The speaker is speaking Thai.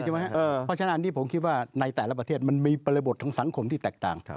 เพราะฉะนั้นอันนี้ผมคิดว่าในแต่ละประเทศมันมีบริบทของสังคมที่แตกต่าง